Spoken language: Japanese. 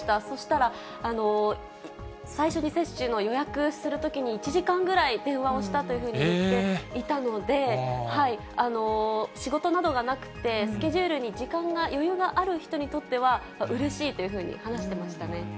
そしたら、最初に接種の予約するときに、１時間ぐらい電話をしたというふうに言っていたので、仕事などがなくて、スケジュールに時間が、余裕がある人にとっては、うれしいというふうに話してましたね。